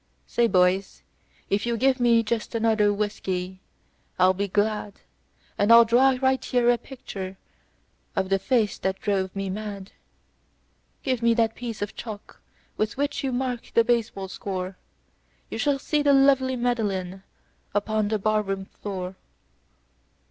"Say, boys, if you give me just another whiskey I'll be glad, And I'll draw right here a picture of the face that drove me mad. Give me that piece of chalk with which you mark the baseball score You shall see the lovely Madeline upon the barroon floor."